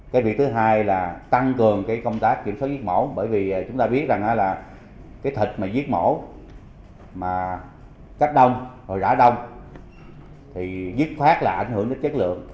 cái việc thứ hai là tăng cường cái công tác kiểm soát giết mổ bởi vì chúng ta biết rằng là cái thịt mà giết mổ mà cắt đông rồi rã đông thì dứt khoát là ảnh hưởng đến chất lượng